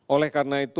oleh karena itu